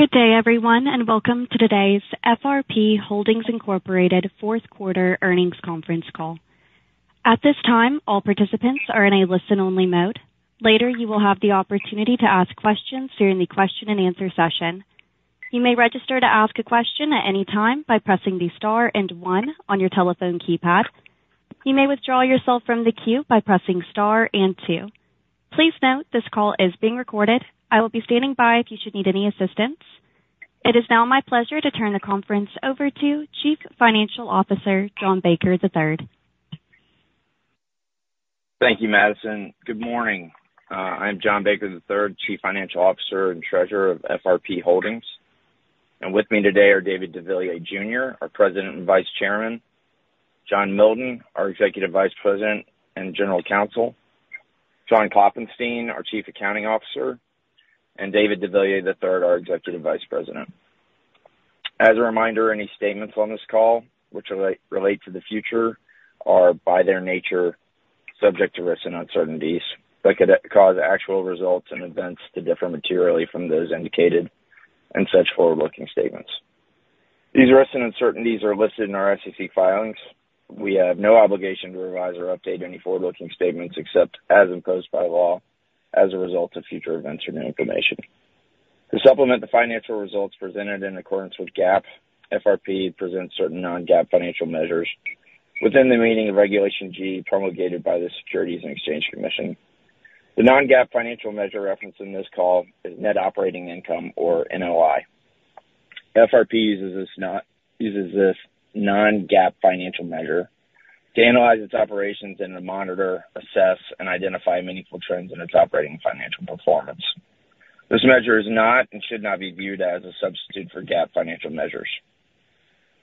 Good day, everyone, and welcome to today's FRP Holdings Incorporated fourth-quarter earnings conference call. At this time, all participants are in a listen-only mode. Later, you will have the opportunity to ask questions during the question-and-answer session. You may register to ask a question at any time by pressing the star and one on your telephone keypad. You may withdraw yourself from the queue by pressing star and two. Please note, this call is being recorded. I will be standing by if you should need any assistance. It is now my pleasure to turn the conference over to Chief Financial Officer John Baker III. Thank you, Madison. Good morning. I am John Baker III, Chief Financial Officer and Treasurer of FRP Holdings. With me today are David deVilliers, Jr., our President and Vice Chairman, John Milton, our Executive Vice President and General Counsel, John Klopfenstein, our Chief Accounting Officer, and David deVilliers III, our Executive Vice President. As a reminder, any statements on this call which relate to the future are, by their nature, subject to risks and uncertainties that could cause actual results and events to differ materially from those indicated in such forward-looking statements. These risks and uncertainties are listed in our SEC filings. We have no obligation to revise or update any forward-looking statements except as imposed by law as a result of future events or new information. To supplement the financial results presented in accordance with GAAP, FRP presents certain non-GAAP financial measures within the meaning of Regulation G promulgated by the Securities and Exchange Commission. The non-GAAP financial measure referenced in this call is net operating income, or NOI. FRP uses this non-GAAP financial measure to analyze its operations and to monitor, assess, and identify meaningful trends in its operating financial performance. This measure is not and should not be viewed as a substitute for GAAP financial measures.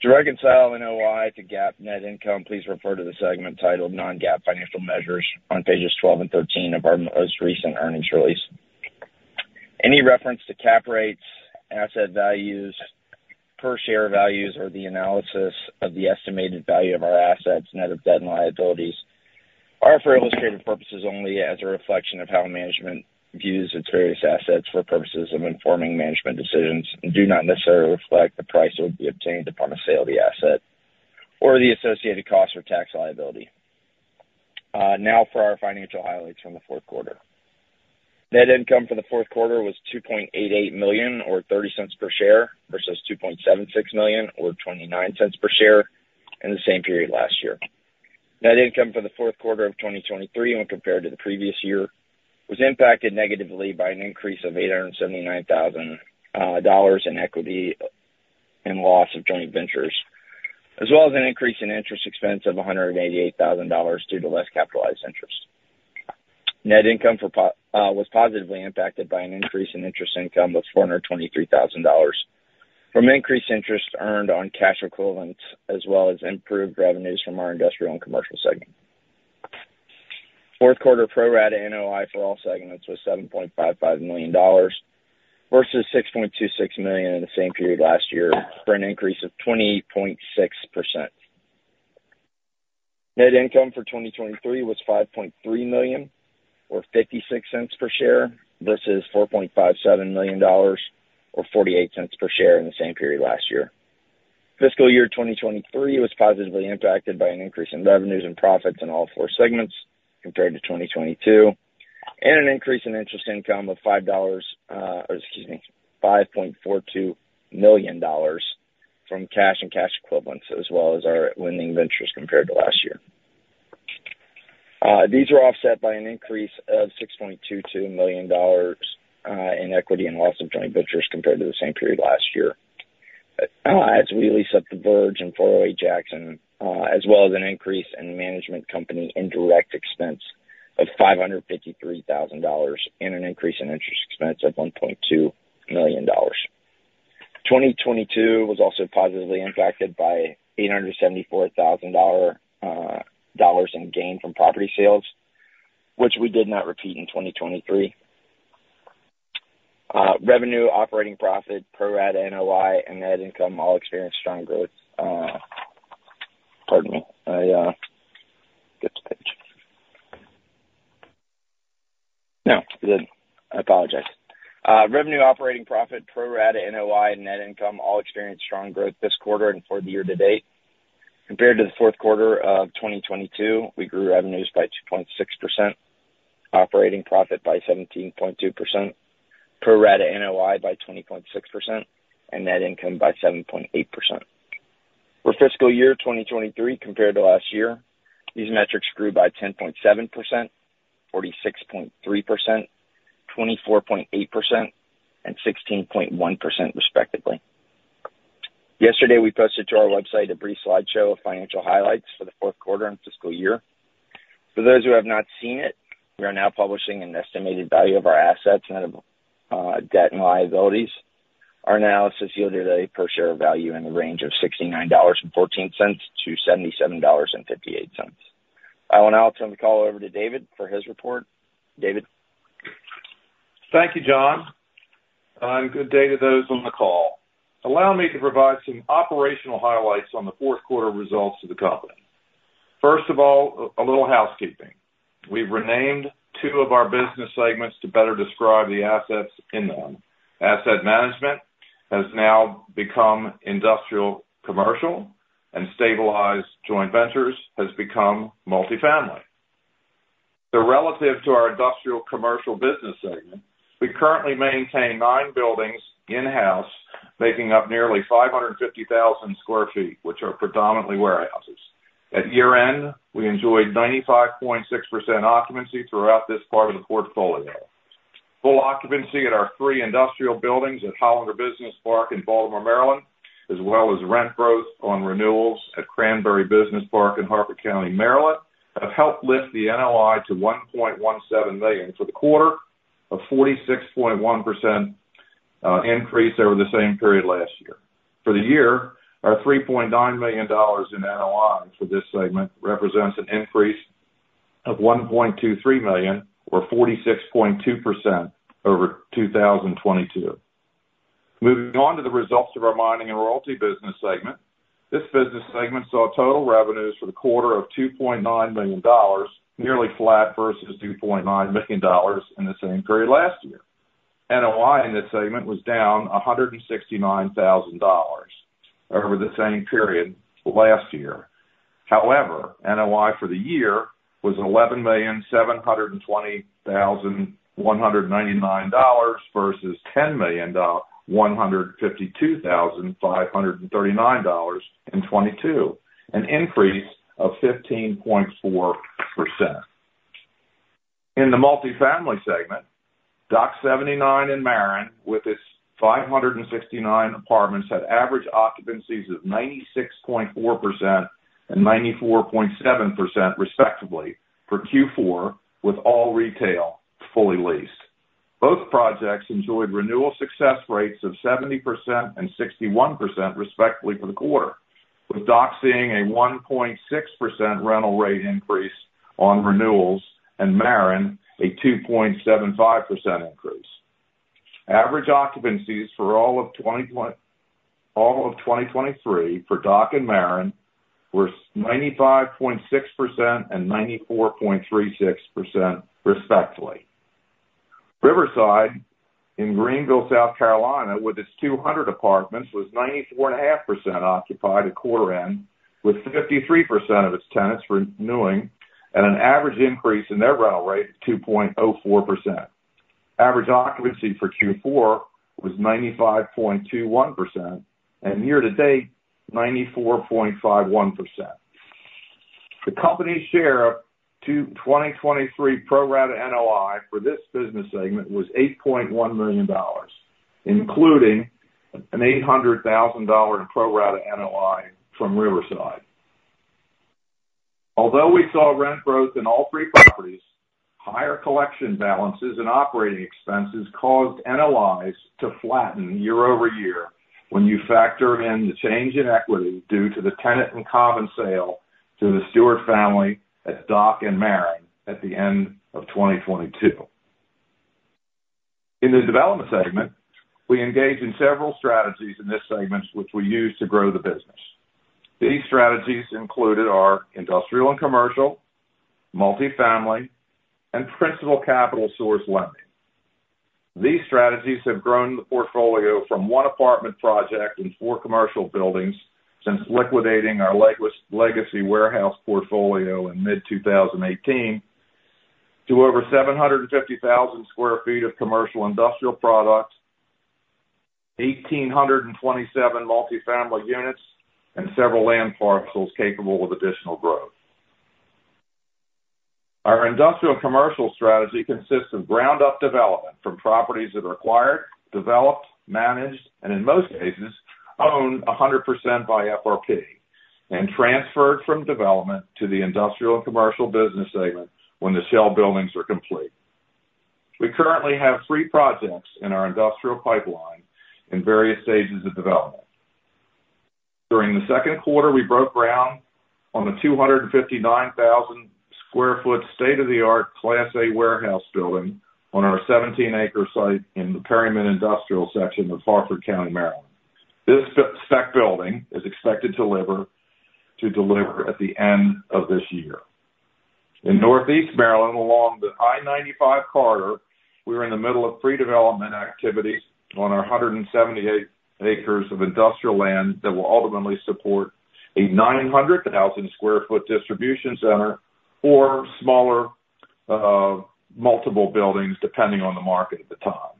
To reconcile NOI to GAAP net income, please refer to the segment titled "Non-GAAP Financial Measures" on pages 12 and 13 of our most recent earnings release. Any reference to cap rates, asset values, per-share values, or the analysis of the estimated value of our assets net of debt and liabilities are for illustrative purposes only as a reflection of how management views its various assets for purposes of informing management decisions and do not necessarily reflect the price that would be obtained upon a sale of the asset or the associated costs or tax liability. Now for our financial highlights from the Q4. Net income for the Q4 was $2.88 million or $0.30 per share versus $2.76 million or $0.29 per share in the same period last year. Net income for the Q4 of 2023 when compared to the previous year was impacted negatively by an increase of $879,000 in equity and loss of joint ventures, as well as an increase in interest expense of $188,000 due to less capitalized interest. Net income was positively impacted by an increase in interest income of $423,000 from increased interest earned on cash equivalents as well as improved revenues from our industrial and commercial segment. Q4 pro rata NOI for all segments was $7.55 million versus $6.26 million in the same period last year for an increase of 20.6%. Net income for 2023 was $5.3 million or $0.56 per share versus $4.57 million or $0.48 per share in the same period last year. Fiscal year 2023 was positively impacted by an increase in revenues and profits in all four segments compared to 2022 and an increase in interest income of $5.42 million from cash and cash equivalents as well as our lending ventures compared to last year. These were offset by an increase of $6.22 million in equity in losses of joint ventures compared to the same period last year. As we lease up The Verge and 408 Jackson, as well as an increase in management company indirect expense of $553,000 and an increase in interest expense of $1.2 million. 2022 was also positively impacted by $874,000 in gain from property sales, which we did not repeat in 2023. Revenue, operating profit, pro rata NOI, and net income all experienced strong growth. Pardon me. I skipped a page. No, I didn't. I apologize. Revenue, operating profit, pro rata NOI, and net income all experienced strong growth this quarter and for the year to date. Compared to the Q4 of 2022, we grew revenues by 2.6%, operating profit by 17.2%, pro rata NOI by 20.6%, and net income by 7.8%. For fiscal year 2023 compared to last year, these metrics grew by 10.7%, 46.3%, 24.8%, and 16.1% respectively. Yesterday, we posted to our website a brief slideshow of financial highlights for the Q4 and fiscal year. For those who have not seen it, we are now publishing an estimated value of our assets net of debt and liabilities. Our analysis yielded a per-share value in the range of $69.14-77.58. I will now turn the call over to David for his report. David? Thank you, John. And good day to those on the call. Allow me to provide some operational highlights on the Q4 results of the company. First of all, a little housekeeping. We've renamed two of our business segments to better describe the assets in them. Asset management has now become industrial-commercial, and stabilized joint ventures has become multifamily. So relative to our industrial-commercial business segment, we currently maintain nine buildings in-house making up nearly 550,000 sq ft, which are predominantly warehouses. At year-end, we enjoyed 95.6% occupancy throughout this part of the portfolio. Full occupancy at our three industrial buildings at Hollander Business Park in Baltimore, Maryland, as well as rent growth on renewals at Cranberry Run Business Park in Harford County, Maryland, have helped lift the NOI to $1.17 million for the quarter, a 46.1% increase over the same period last year. For the year, our $3.9 million in NOI for this segment represents an increase of $1.23 million or 46.2% over 2022. Moving on to the results of our mining and royalty business segment, this business segment saw total revenues for the quarter of $2.9 million, nearly flat versus $2.9 million in the same period last year. NOI in this segment was down $169,000 over the same period last year. However, NOI for the year was $11,720,199 versus $10,152,539 in 2022, an increase of 15.4%. In the multifamily segment, Dock 79 and Maren with its 569 apartments had average occupancies of 96.4% and 94.7% respectively for Q4 with all retail fully leased. Both projects enjoyed renewal success rates of 70% and 61% respectively for the quarter, with Dock seeing a 1.6% rental rate increase on renewals and Maren a 2.75% increase. Average occupancies for all of 2023 for Dock and Maren were 95.6% and 94.36% respectively. Riverside in Greenville, South Carolina, with its 200 apartments, was 94.5% occupied at quarter-end with 53% of its tenants renewing and an average increase in their rental rate of 2.04%. Average occupancy for Q4 was 95.21% and year-to-date 94.51%. The company's share of 2023 pro rata NOI for this business segment was $8.1 million, including an $800,000 in pro rata NOI from Riverside. Although we saw rent growth in all three properties, higher collection balances and operating expenses caused NOIs to flatten year-over-year when you factor in the change in equity due to the tenant and common sale to the Stewart family at Dock and Maren at the end of 2022. In the development segment, we engaged in several strategies in this segment which we used to grow the business. These strategies included our industrial and commercial, multifamily, and principal capital source lending. These strategies have grown the portfolio from one apartment project in four commercial buildings since liquidating our legacy warehouse portfolio in mid-2018 to over 750,000 sq ft of commercial industrial product, 1,827 multifamily units, and several land parcels capable of additional growth. Our industrial-commercial strategy consists of ground-up development from properties that are acquired, developed, managed, and in most cases, owned 100% by FRP and transferred from development to the industrial and commercial business segment when the shell buildings are complete. We currently have three projects in our industrial pipeline in various stages of development. During the Q2, we broke ground on a 259,000 sq ft state-of-the-art Class A warehouse building on our 17-acre site in the Perryman Industrial section of Harford County, Maryland. This spec building is expected to deliver at the end of this year. In Northeast Maryland, along the I-95 corridor, we're in the middle of pre-development activities on our 178 acres of industrial land that will ultimately support a 900,000 sq ft distribution center or smaller multiple buildings depending on the market at the time.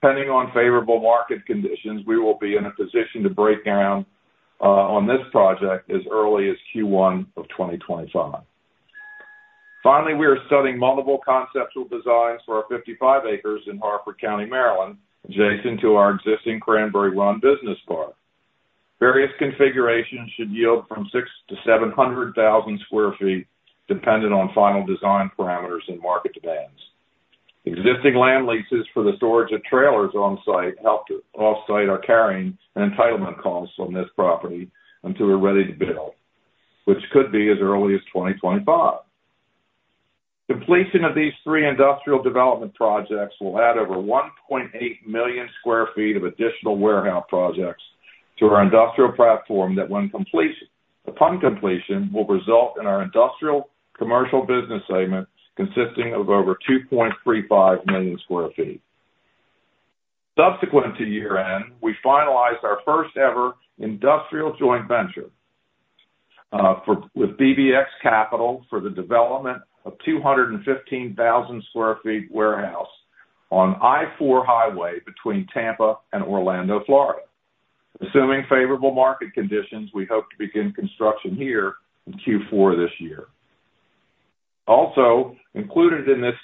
Depending on favorable market conditions, we will be in a position to break ground on this project as early as Q1 of 2025. Finally, we are studying multiple conceptual designs for our 55 acres in Harford County, Maryland, adjacent to our existing Cranberry Run Business Park. Various configurations should yield from 600,000-700,000 sq ft dependent on final design parameters and market demands. Existing land leases for the storage of trailers off-site are carrying an entitlement cost on this property until we're ready to build, which could be as early as 2025. Completion of these three industrial development projects will add over 1.8 million sq ft of additional warehouse projects to our industrial platform that, upon completion, will result in our industrial-commercial business segment consisting of over 2.35 million sq ft. Subsequent to year-end, we finalized our first-ever industrial joint venture with BBX Capital for the development of 215,000 sq ft warehouse on I-4 Highway between Tampa and Orlando, Florida. Assuming favorable market conditions, we hope to begin construction here in Q4 this year. Also included in this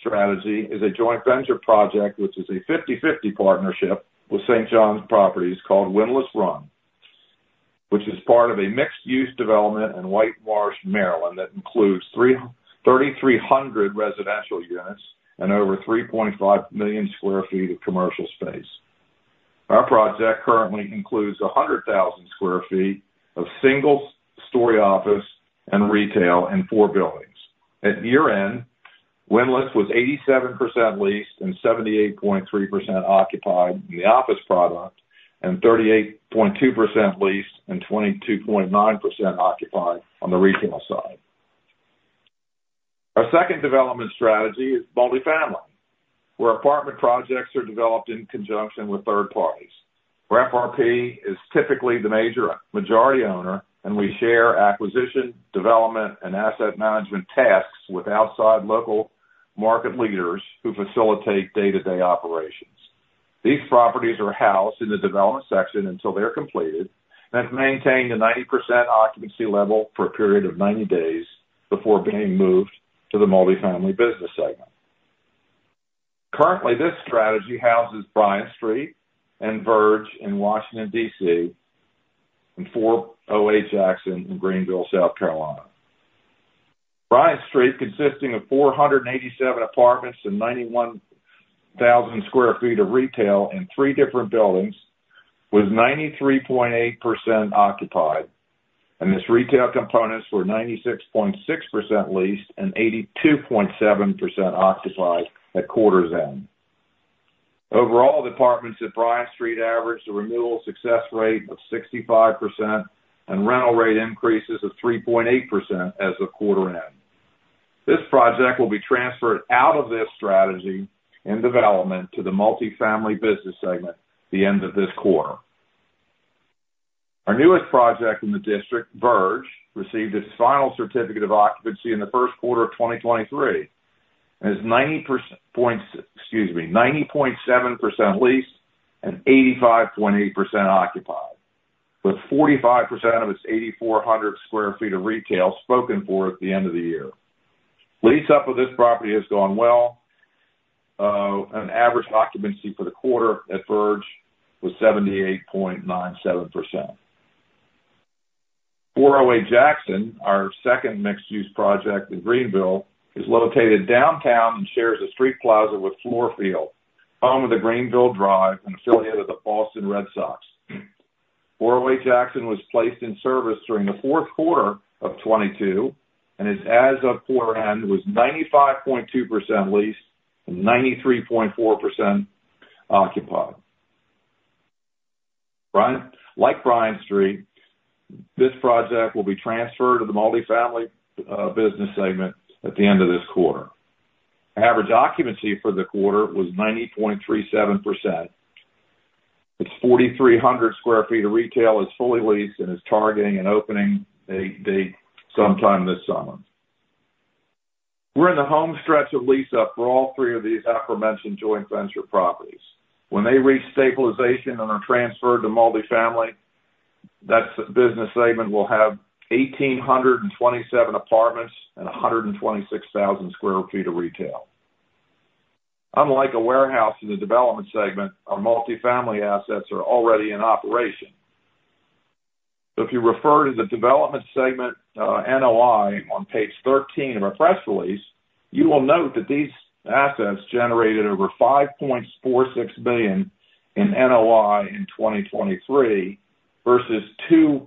strategy is a joint venture project which is a 50/50 partnership with St. John Properties called Windlass Run, which is part of a mixed-use development in White Marsh, Maryland that includes 3,300 residential units and over 3.5 million sq ft of commercial space. Our project currently includes 100,000 sq ft of single-story office and retail in four buildings. At year-end, Windlass was 87% leased and 78.3% occupied in the office product and 38.2% leased and 22.9% occupied on the retail side. Our second development strategy is multifamily, where apartment projects are developed in conjunction with third parties. Our FRP is typically the majority owner, and we share acquisition, development, and asset management tasks with outside local market leaders who facilitate day-to-day operations. These properties are housed in the development section until they're completed and have maintained a 90% occupancy level for a period of 90 days before being moved to the multifamily business segment. Currently, this strategy houses Bryant Street and Verge in Washington, D.C., and 408 Jackson in Greenville, South Carolina. Bryant Street, consisting of 487 apartments and 91,000 sq ft of retail in three different buildings, was 93.8% occupied, and its retail components were 96.6% leased and 82.7% occupied at quarter-end. Overall, the apartments at Bryant Street average a renewal success rate of 65% and rental rate increases of 3.8% as of quarter-end. This project will be transferred out of this strategy in development to the multifamily business segment the end of this quarter. Our newest project in the district, Verge, received its final certificate of occupancy in the Q1 of 2023 and is 90.7% leased and 85.8% occupied, with 45% of its 8,400 sq ft of retail spoken for at the end of the year. Lease-up of this property has gone well, and average occupancy for the quarter at Verge was 78.97%. 408 Jackson, our second mixed-use project in Greenville, is located downtown and shares a street plaza with Fluor Field, home of the Greenville Drive, an affiliate of the Boston Red Sox. 408 Jackson was placed in service during the Q4 of 2022 and, as of quarter-end, was 95.2% leased and 93.4% occupied. Like Bryant Street, this project will be transferred to the multifamily business segment at the end of this quarter. Average occupancy for the quarter was 90.37%. Its 4,300 sq ft of retail is fully leased and is targeting an opening date sometime this summer. We're in the home stretch of lease-up for all three of these aforementioned joint venture properties. When they reach stabilization and are transferred to multifamily, that business segment will have 1,827 apartments and 126,000 sq ft of retail. Unlike a warehouse in the development segment, our multifamily assets are already in operation. So if you refer to the development segment NOI on page 13 of our press release, you will note that these assets generated over $5.46 million in NOI in 2023 versus $2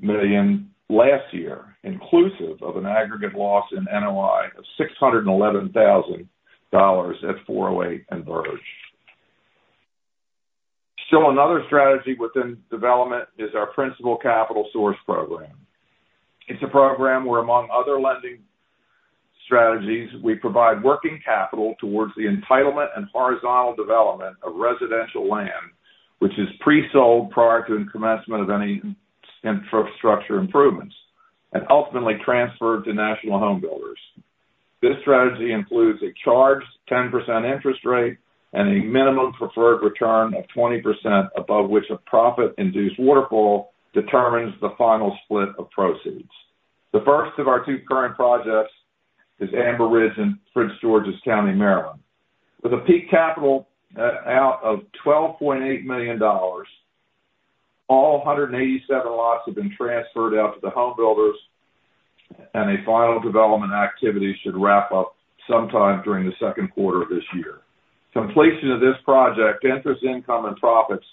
million last year, inclusive of an aggregate loss in NOI of $611,000 at 408 and Verge. Still another strategy within development is our principal capital source program. It's a program where, among other lending strategies, we provide working capital towards the entitlement and horizontal development of residential land, which is pre-sold prior to the commencement of any infrastructure improvements and ultimately transferred to national home builders. This strategy includes a charged 10% interest rate and a minimum preferred return of 20% above which a profit-induced waterfall determines the final split of proceeds. The first of our two current projects is Amber Ridge in Prince George's County, Maryland. With a peak capital out of $12.8 million, all 187 lots have been transferred out to the home builders, and a final development activity should wrap up sometime during the Q2 of this year. Completion of this project, interest, income, and profits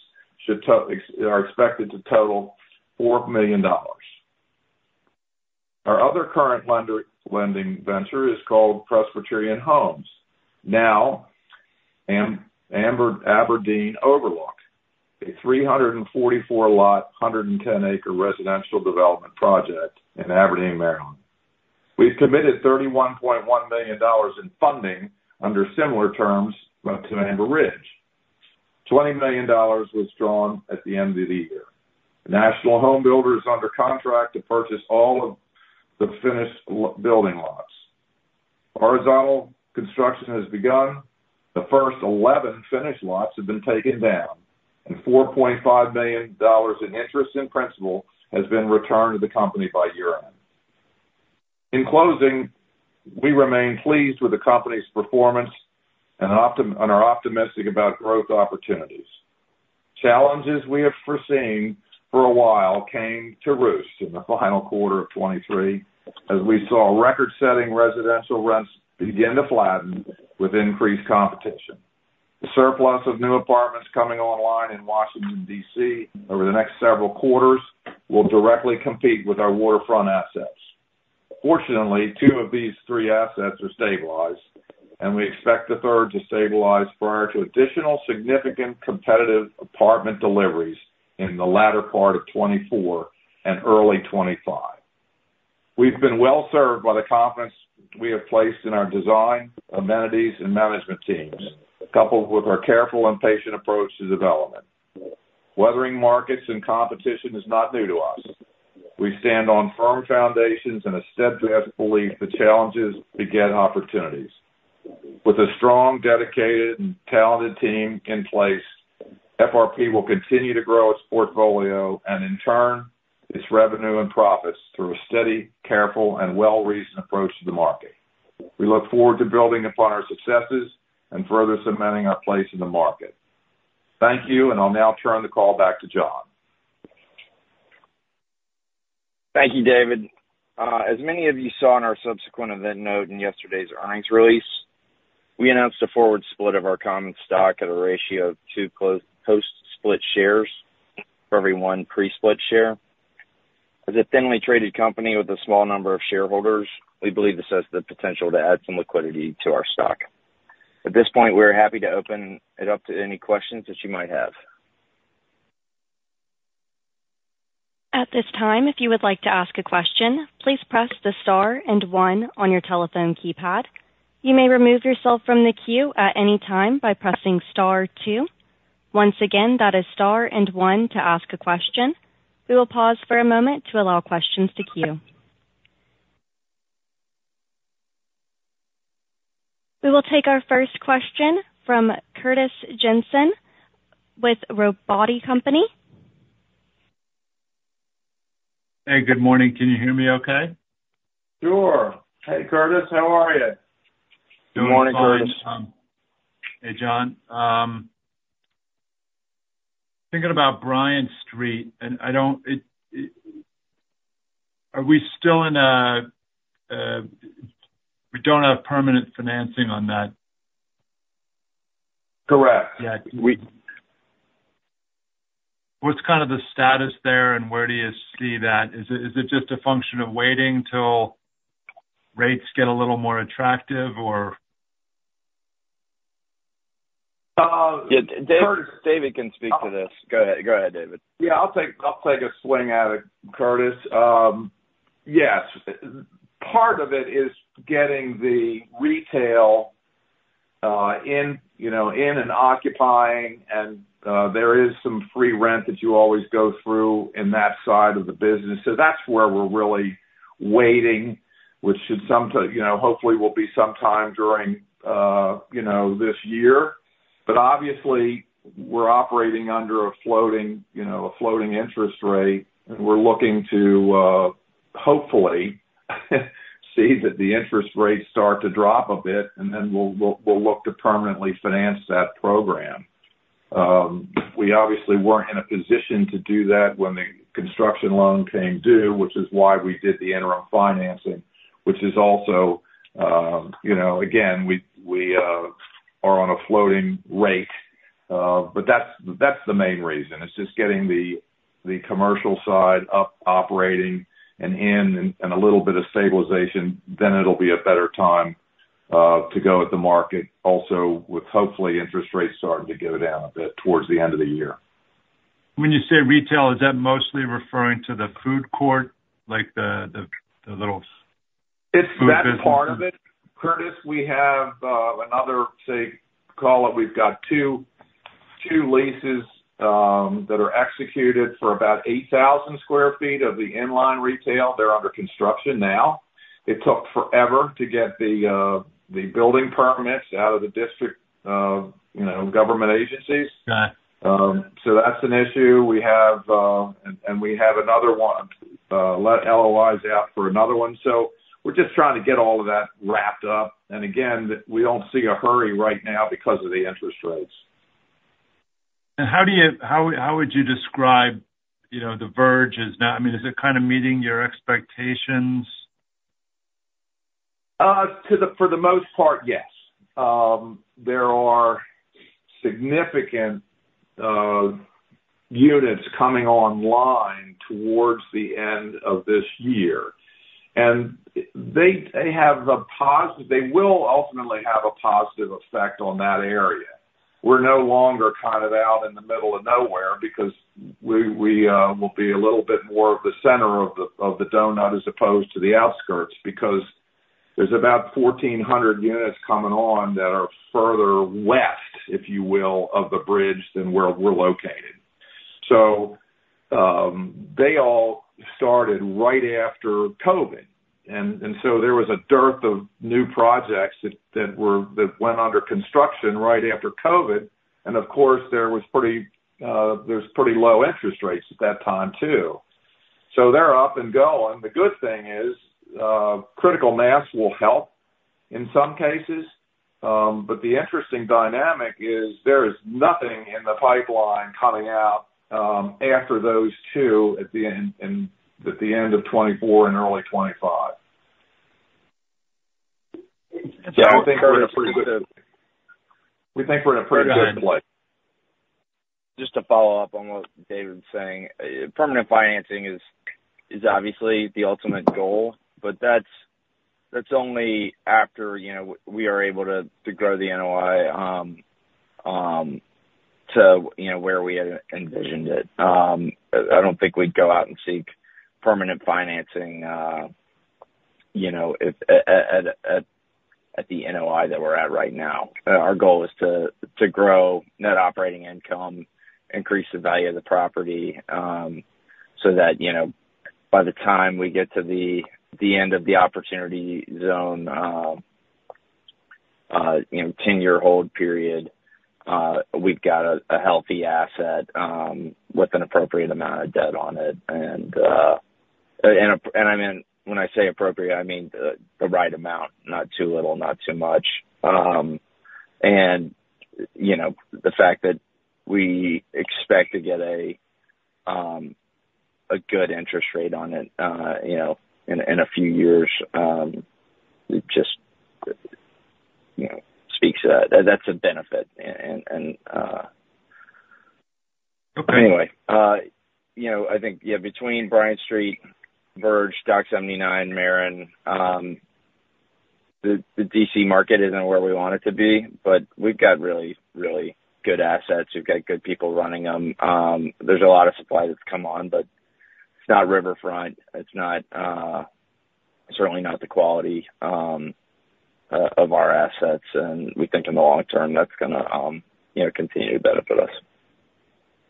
are expected to total $4 million. Our other current lending venture is called Presbyterian Homes, now Aberdeen Overlook, a 344-lot, 110-acre residential development project in Aberdeen, Maryland. We've committed $31.1 million in funding under similar terms to Amber Ridge. $20 million was drawn at the end of the year. National home builders are under contract to purchase all of the finished building lots. Horizontal construction has begun. The first 11 finished lots have been taken down, and $4.5 million in interest and principal has been returned to the company by year-end. In closing, we remain pleased with the company's performance and are optimistic about growth opportunities. Challenges we have foreseen for a while came to roost in the final quarter of 2023 as we saw record-setting residential rents begin to flatten with increased competition. The surplus of new apartments coming online in Washington, D.C., over the next several quarters will directly compete with our waterfront assets. Fortunately, two of these three assets are stabilized, and we expect the third to stabilize prior to additional significant competitive apartment deliveries in the latter part of 2024 and early 2025. We've been well-served by the confidence we have placed in our design, amenities, and management teams, coupled with our careful and patient approach to development. Weathering markets and competition is not new to us. We stand on firm foundations and a steadfast belief that challenges begin opportunities. With a strong, dedicated, and talented team in place, FRP will continue to grow its portfolio and, in turn, its revenue and profits through a steady, careful, and well-reasoned approach to the market. We look forward to building upon our successes and further cementing our place in the market. Thank you, and I'll now turn the call back to John. Thank you, David. As many of you saw in our subsequent event note in yesterday's earnings release, we announced a forward split of our common stock at a ratio of 2 post-split shares for every 1 pre-split share. As a thinly traded company with a small number of shareholders, we believe this has the potential to add some liquidity to our stock. At this point, we're happy to open it up to any questions that you might have. At this time, if you would like to ask a question, please press the star and one on your telephone keypad. You may remove yourself from the queue at any time by pressing star two. Once again, that is star and one to ask a question. We will pause for a moment to allow questions to queue. We will take our first question from Curtis Jensen with Robotti & Company. Hey, good morning. Can you hear me okay? Sure. Hey, Curtis. How are you? Good morning, Curtis. Hey, John. Thinking about Bryant Street, are we still in a we don't have permanent financing on that? Correct. Yeah. What's kind of the status there, and where do you see that? Is it just a function of waiting till rates get a little more attractive, or? David can speak to this. Go ahead, David. Yeah, I'll take a swing at it, Curtis. Yes. Part of it is getting the retail in and occupying, and there is some free rent that you always go through in that side of the business. So that's where we're really waiting, which hopefully will be sometime during this year. But obviously, we're operating under a floating interest rate, and we're looking to hopefully see that the interest rates start to drop a bit, and then we'll look to permanently finance that program. We obviously weren't in a position to do that when the construction loan came due, which is why we did the interim financing, which is also again, we are on a floating rate. But that's the main reason. It's just getting the commercial side up operating and in a little bit of stabilization, then it'll be a better time to go at the market, also with hopefully interest rates starting to go down a bit towards the end of the year. When you say retail, is that mostly referring to the food court, like the little food vendors? That's part of it, Curtis. We have another. Call it, we've got two leases that are executed for about 8,000 sq ft of the inline retail. They're under construction now. It took forever to get the building permits out of the district government agencies. So that's an issue. And we have another one. We've let LOIs out for another one. So we're just trying to get all of that wrapped up. And again, we don't see a hurry right now because of the interest rates. How would you describe The Verge as not? I mean, is it kind of meeting your expectations? For the most part, yes. There are significant units coming online towards the end of this year. They will ultimately have a positive effect on that area. We're no longer kind of out in the middle of nowhere because we will be a little bit more of the center of the donut as opposed to the outskirts because there's about 1,400 units coming on that are further west, if you will, of the bridge than where we're located. They all started right after COVID. There was a dearth of new projects that went under construction right after COVID. Of course, there was pretty low interest rates at that time too. They're up and going. The good thing is critical mass will help in some cases. But the interesting dynamic is there is nothing in the pipeline coming out after those two at the end of 2024 and early 2025. So I think we're in a pretty good we think we're in a pretty good place. Just to follow up on what David's saying, permanent financing is obviously the ultimate goal, but that's only after we are able to grow the NOI to where we had envisioned it. I don't think we'd go out and seek permanent financing at the NOI that we're at right now. Our goal is to grow net operating income, increase the value of the property so that by the time we get to the end of the opportunity zone, 10-year hold period, we've got a healthy asset with an appropriate amount of debt on it. And I mean, when I say appropriate, I mean the right amount, not too little, not too much. And the fact that we expect to get a good interest rate on it in a few years just speaks to that. That's a benefit. Anyway, I think, yeah, between Bryant Street, Verge, Dock 79, Maren, the D.C. market isn't where we want it to be, but we've got really, really good assets. We've got good people running them. There's a lot of supply that's come on, but it's not riverfront. It's certainly not the quality of our assets. And we think in the long term, that's going to continue to benefit us.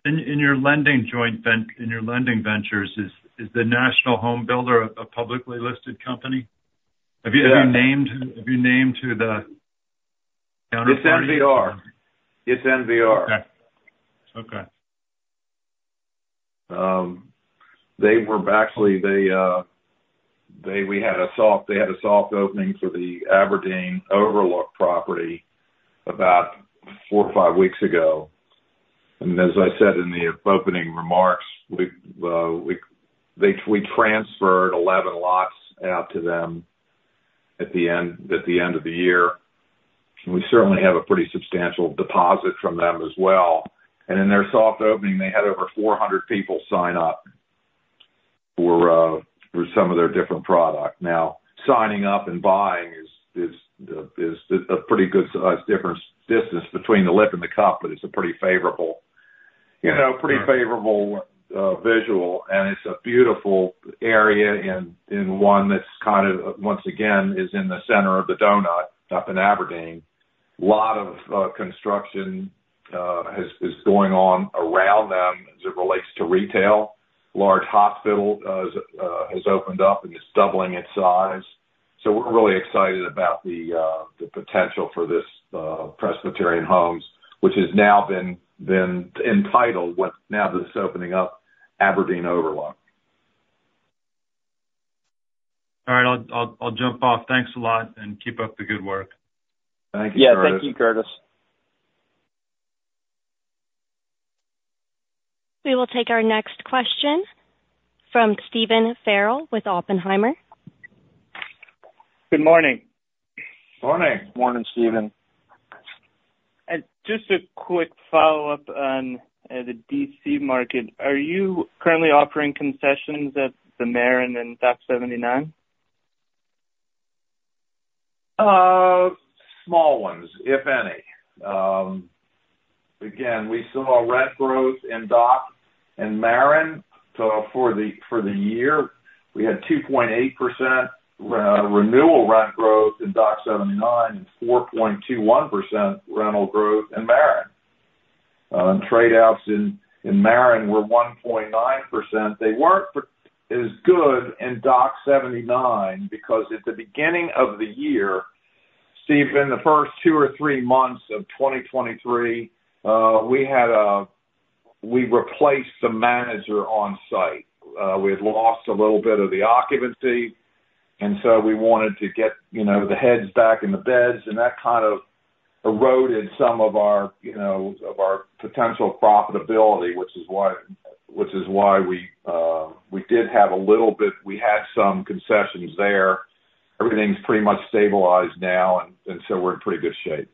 In your lending joint ventures, is the National Home Builder a publicly listed company? Have you named the counterpart? It's NVR. It's NVR. Okay. Okay. Actually, they had a soft opening for the Aberdeen Overlook property about four or five weeks ago. And as I said in the opening remarks, we transferred 11 lots out to them at the end of the year. And we certainly have a pretty substantial deposit from them as well. And in their soft opening, they had over 400 people sign up for some of their different products. Now, signing up and buying is a pretty good size difference distance between the lip and the cup, but it's a pretty favorable visual. And it's a beautiful area in one that's kind of, once again, is in the center of the donut, up in Aberdeen. A lot of construction is going on around them as it relates to retail. A large hospital has opened up and is doubling its size. We're really excited about the potential for this Presbyterian Homes, which has now been entitled, now that it's opening up, Aberdeen Overlook. All right. I'll jump off. Thanks a lot, and keep up the good work. Thank you, Curtis. Yeah. Thank you, Curtis. We will take our next question from Stephen Farrell with Oppenheimer. Good morning. Morning. Morning, Stephen. Just a quick follow-up on the D.C. market. Are you currently offering concessions at the Maren and Dock 79? Small ones, if any. Again, we saw rent growth in Dock 79 and Maren for the year. We had 2.8% renewal rent growth in Dock 79 and 4.21% rental growth in Maren. Tradeouts in Maren were 1.9%. They weren't as good in Dock 79 because at the beginning of the year, Stephen, the first two or three months of 2023, we replaced the manager on site. We had lost a little bit of the occupancy, and so we wanted to get the heads back in the beds. And that kind of eroded some of our potential profitability, which is why we did have a little bit we had some concessions there. Everything's pretty much stabilized now, and so we're in pretty good shape.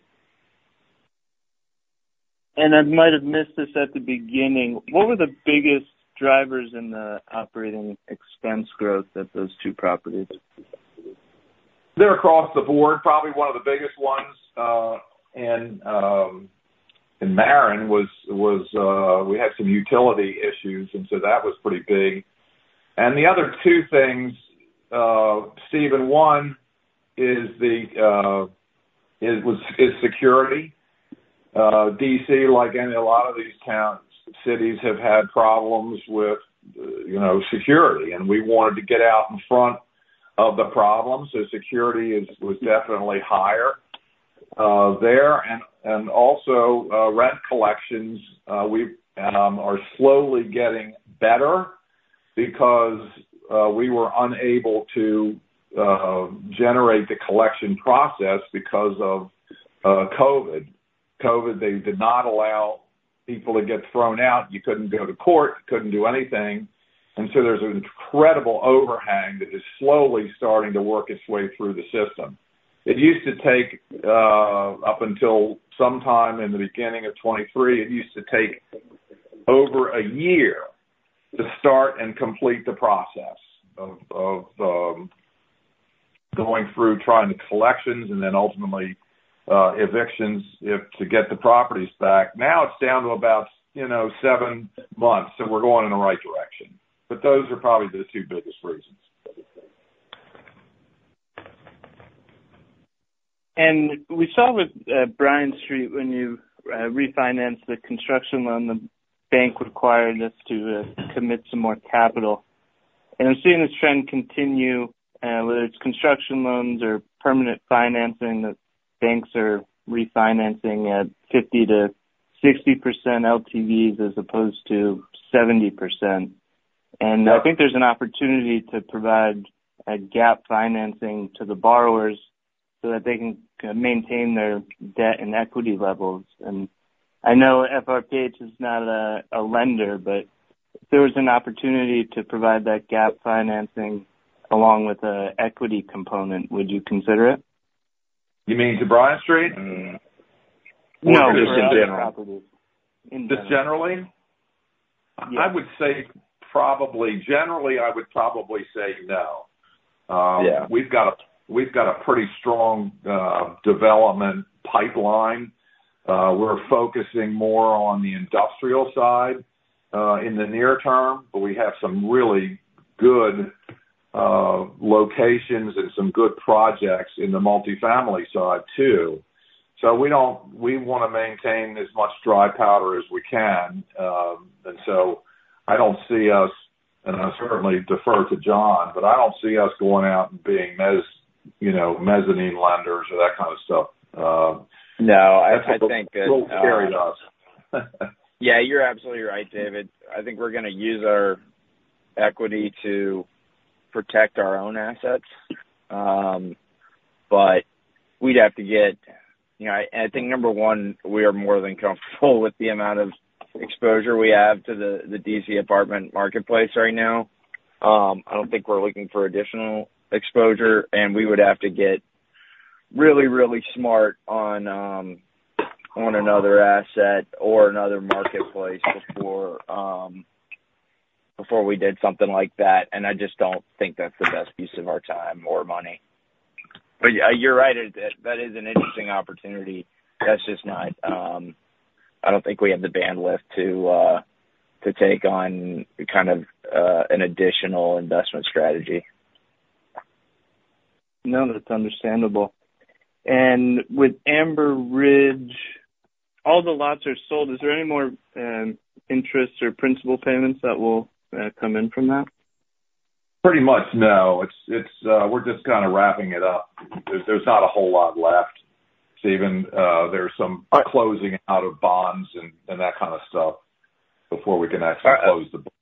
I might have missed this at the beginning. What were the biggest drivers in the operating expense growth at those two properties? They're across the board. Probably one of the biggest ones in Maren was we had some utility issues, and so that was pretty big. And the other two things, Stephen, one is security. D.C., like a lot of these cities, have had problems with security, and we wanted to get out in front of the problem. So security was definitely higher there. And also, rent collections are slowly getting better because we were unable to generate the collection process because of COVID. COVID, they did not allow people to get thrown out. You couldn't go to court. You couldn't do anything. And so there's an incredible overhang that is slowly starting to work its way through the system. It used to take up until sometime in the beginning of 2023, it used to take over a year to start and complete the process of going through trying to collections and then ultimately evictions to get the properties back. Now it's down to about seven months, so we're going in the right direction. But those are probably the two biggest reasons. We saw with Bryant Street when you refinanced the construction loan, the bank required us to commit some more capital. I'm seeing this trend continue, whether it's construction loans or permanent financing that banks are refinancing at 50%-60% LTVs as opposed to 70%. I think there's an opportunity to provide gap financing to the borrowers so that they can maintain their debt and equity levels. I know FRPH is not a lender, but if there was an opportunity to provide that gap financing along with an equity component, would you consider it? You mean to Bryant Street? No, just in general. Just generally? I would say probably generally, I would probably say no. We've got a pretty strong development pipeline. We're focusing more on the industrial side in the near term, but we have some really good locations and some good projects in the multifamily side too. So we want to maintain as much dry powder as we can. And so I don't see us and I certainly defer to John, but I don't see us going out and being mezzanine lenders or that kind of stuff. No. I think. That's a little scary to us. Yeah. You're absolutely right, David. I think we're going to use our equity to protect our own assets, but we'd have to get, I think, number one, we are more than comfortable with the amount of exposure we have to the D.C. apartment marketplace right now. I don't think we're looking for additional exposure. And we would have to get really, really smart on another asset or another marketplace before we did something like that. And I just don't think that's the best use of our time or money. But you're right. That is an interesting opportunity. That's just not, I don't think we have the bandwidth to take on kind of an additional investment strategy. No, that's understandable. And with Amber Ridge, all the lots are sold. Is there any more interest or principal payments that will come in from that? Pretty much, no. We're just kind of wrapping it up. There's not a whole lot left, Stephen. There's some closing out of bonds and that kind of stuff before we can actually close the book.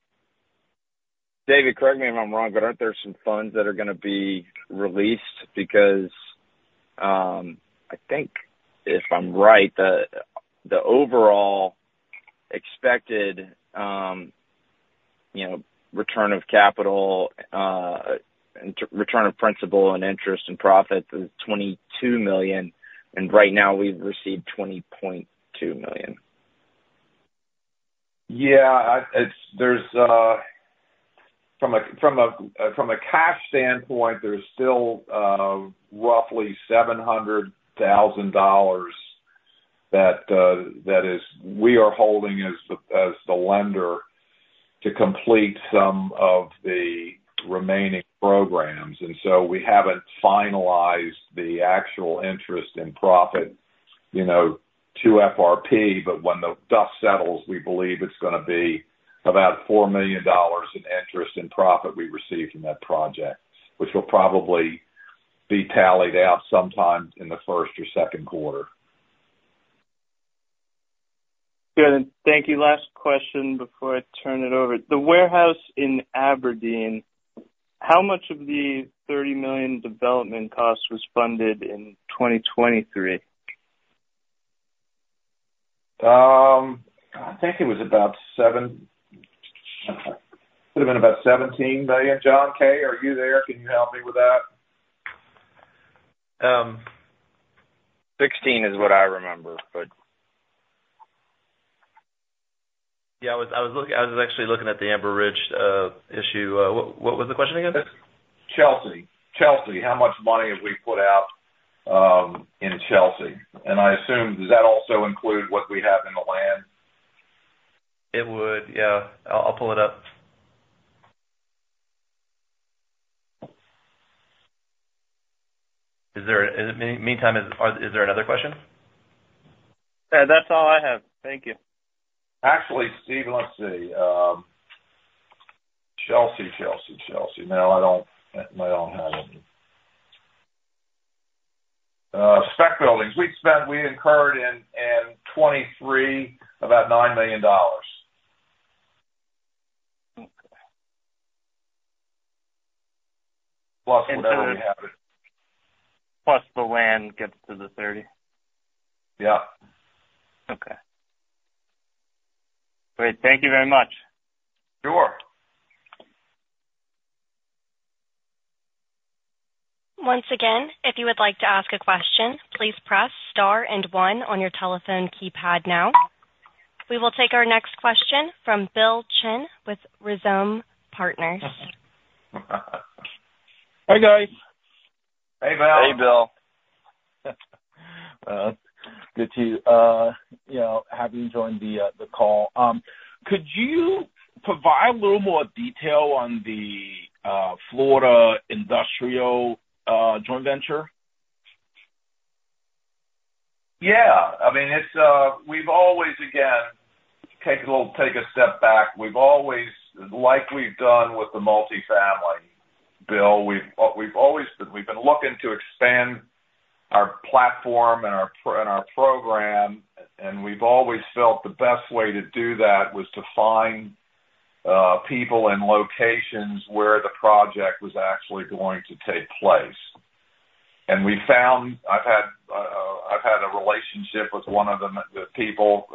David, correct me if I'm wrong, but aren't there some funds that are going to be released? Because I think, if I'm right, the overall expected return of capital and return of principal and interest and profit is $22 million. And right now, we've received $20.2 million. Yeah. From a cash standpoint, there's still roughly $700,000 that we are holding as the lender to complete some of the remaining programs. So we haven't finalized the actual interest and profit to FRP, but when the dust settles, we believe it's going to be about $4 million in interest and profit we receive from that project, which will probably be tallied out sometime in the first or Q2. Good. Thank you. Last question before I turn it over. The warehouse in Aberdeen, how much of the $30 million development costs was funded in 2023? I think it was about $7 million. It could have been about $17 million. John K., are you there? Can you help me with that? 16 is what I remember, but. Yeah. I was actually looking at the Amber Ridge issue. What was the question again? Chelsea. Chelsea, how much money have we put out in Chelsea? And I assume, does that also include what we have in the land? It would. Yeah. I'll pull it up. Meantime, is there another question? That's all I have. Thank you. Actually, Stephen, let's see. Chelsea, Chelsea, Chelsea. No, I don't have it. Spec buildings, we incurred in 2023 about $9 million. Plus whatever we have in. And so plus the land gets to the 30? Yep. Okay. Great. Thank you very much. Sure. Once again, if you would like to ask a question, please press star and one on your telephone keypad now. We will take our next question from Bill Chen with Rhizome Partners. Hey, guys. Hey, Bill. Hey, Bill. Good to have you join the call. Could you provide a little more detail on the Florida industrial joint venture? Yeah. I mean, we've always, again, take a step back. Like we've done with the multifamily, Bill, we've always been looking to expand our platform and our program, and we've always felt the best way to do that was to find people and locations where the project was actually going to take place. I've had a relationship with one of the people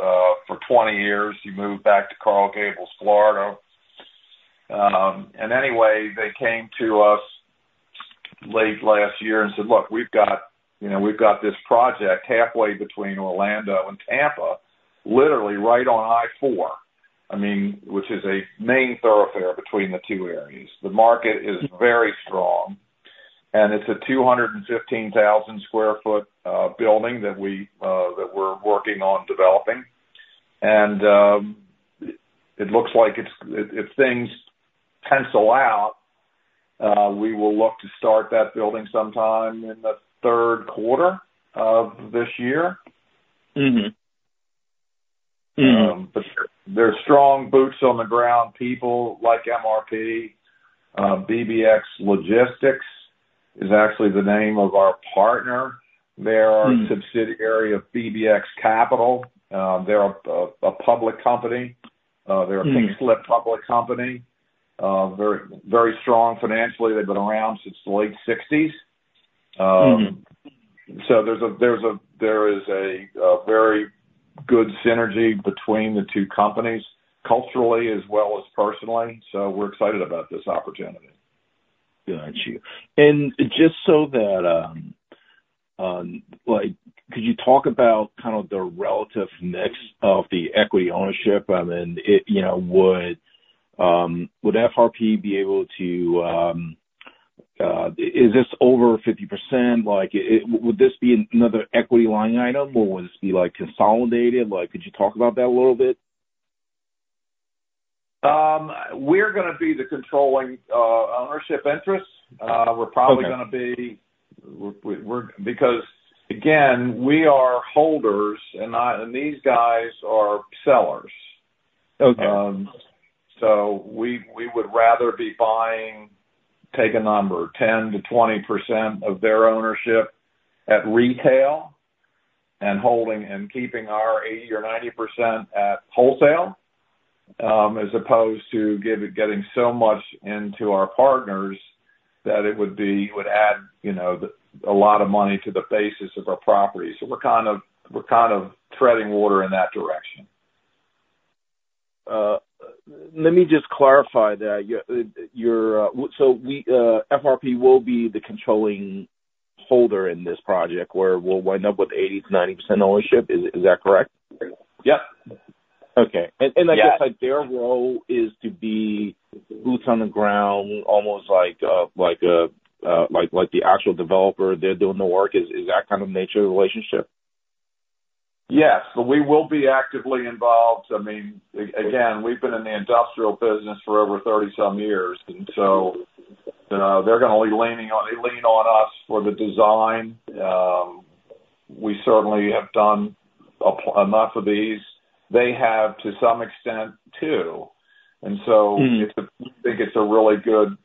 for 20 years. He moved back to Coral Gables, Florida. Anyway, they came to us late last year and said, "Look, we've got this project halfway between Orlando and Tampa, literally right on I-4." I mean, which is a main thoroughfare between the two areas. The market is very strong, and it's a 215,000 sq ft building that we're working on developing. It looks like if things pencil out, we will look to start that building sometime in the Q3 of this year. But there's strong boots on the ground people like MRP. BBX Logistics is actually the name of our partner. They're a subsidiary of BBX Capital. They're a public company. They're a pink sheet public company. Very strong financially. They've been around since the late '60s. So there is a very good synergy between the two companies culturally as well as personally. So we're excited about this opportunity. Gotcha. And just so that, could you talk about kind of the relative mix of the equity ownership? I mean, would FRP be able to? Is this over 50%? Would this be another equity line item, or would this be consolidated? Could you talk about that a little bit? We're going to be the controlling ownership interest. We're probably going to be because, again, we are holders, and these guys are sellers. So we would rather be buying, take a number, 10%-20% of their ownership at retail and keeping our 80% or 90% at wholesale as opposed to getting so much into our partners that it would add a lot of money to the basis of our property. So we're kind of treading water in that direction. Let me just clarify that. FRP will be the controlling holder in this project where we'll wind up with 80%-90% ownership. Is that correct? Yep. Okay. I guess their role is to be boots on the ground, almost like the actual developer. They're doing the work. Is that kind of nature of the relationship? Yes. But we will be actively involved. I mean, again, we've been in the industrial business for over 30-some years, and so they're going to lean on us for the design. We certainly have done enough of these. They have, to some extent, too. And so we think it's a really good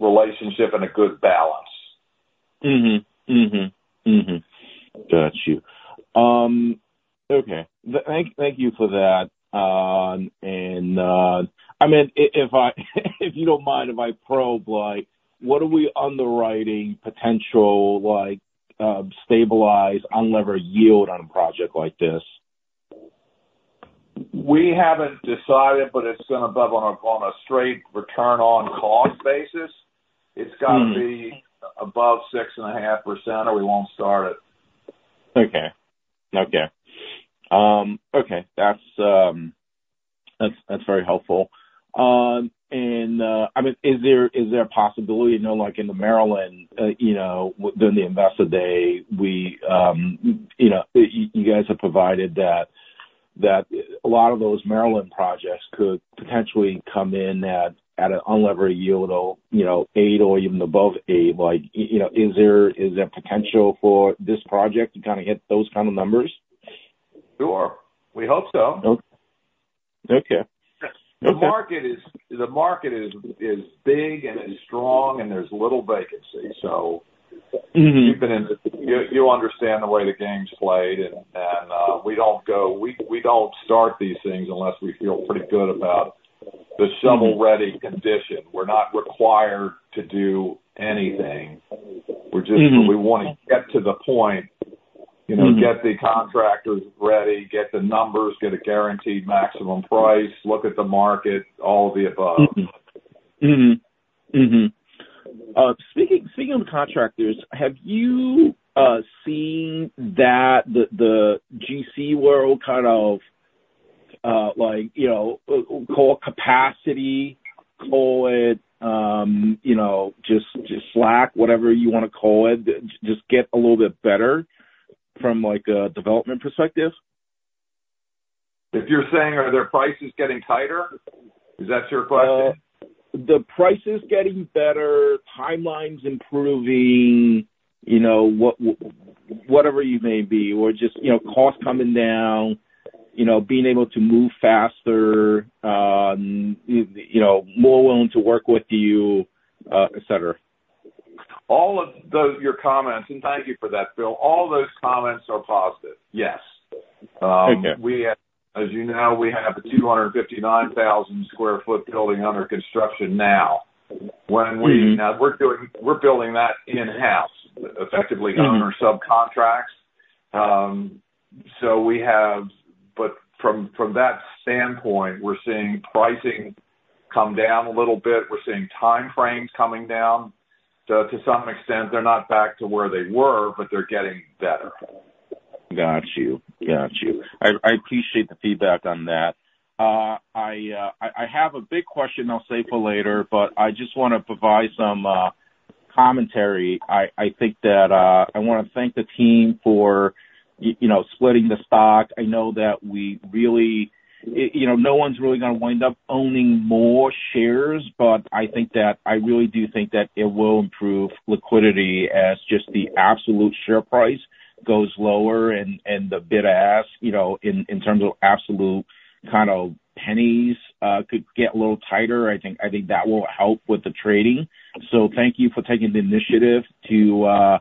relationship and a good balance. Gotcha. Okay. Thank you for that. I mean, if you don't mind, if I probe, what are we underwriting potential stabilized, unlevered yield on a project like this? We haven't decided, but it's going to be on a straight return-on-cost basis. It's got to be above 6.5%, or we won't start it. Okay. Okay. Okay. That's very helpful. And I mean, is there a possibility in the Maryland during the investor day, we you guys have provided that a lot of those Maryland projects could potentially come in at an unlevered yield of 8 or even above 8? Is there potential for this project to kind of hit those kind of numbers? Sure. We hope so. Okay. The market is big, and it's strong, and there's little vacancy. So you've been in it, you understand the way the game's played, and we don't start these things unless we feel pretty good about the shovel-ready condition. We're not required to do anything. We want to get to the point, get the contractors ready, get the numbers, get a guaranteed maximum price, look at the market, all of the above. Speaking of contractors, have you seen that the GC world kind of call it capacity, call it just slack, whatever you want to call it, just get a little bit better from a development perspective? If you're saying, are their prices getting tighter? Is that your question? The prices getting better, timelines improving, whatever you may be, or just costs coming down, being able to move faster, more willing to work with you, etc. All of your comments and thank you for that, Bill. All those comments are positive. Yes. As you know, we have a 259,000 sq ft building under construction now. Now, we're building that in-house, effectively on our subcontracts. But from that standpoint, we're seeing pricing come down a little bit. We're seeing timeframes coming down to some extent. They're not back to where they were, but they're getting better. Gotcha. Gotcha. I appreciate the feedback on that. I have a big question I'll save for later, but I just want to provide some commentary. I think that I want to thank the team for splitting the stock. I know that we really no one's really going to wind up owning more shares, but I think that I really do think that it will improve liquidity as just the absolute share price goes lower and the bid-ask in terms of absolute kind of pennies could get a little tighter. I think that will help with the trading. So thank you for taking the initiative to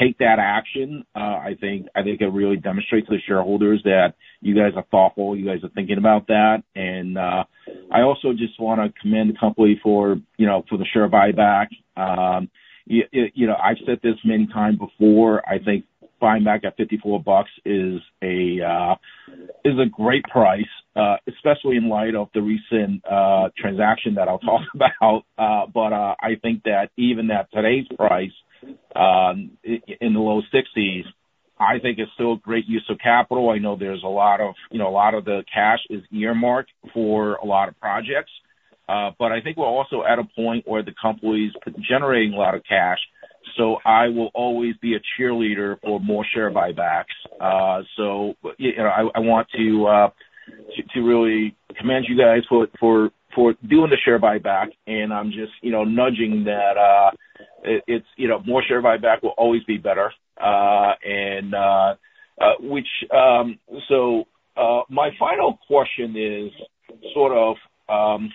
take that action. I think it really demonstrates to the shareholders that you guys are thoughtful. You guys are thinking about that. And I also just want to commend the company for the share buyback. I've said this many times before. I think buying back at $54 is a great price, especially in light of the recent transaction that I'll talk about. But I think that even at today's price in the low 60s, I think it's still a great use of capital. I know there's a lot of a lot of the cash is earmarked for a lot of projects. But I think we're also at a point where the company's generating a lot of cash. So I will always be a cheerleader for more share buybacks. So I want to really commend you guys for doing the share buyback, and I'm just nudging that more share buyback will always be better, which so my final question is sort of